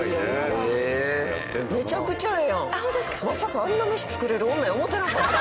まさかあんなメシ作れる女や思ってなかった。